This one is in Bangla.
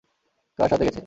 কার সাথে গেছে?